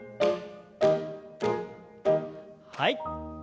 はい。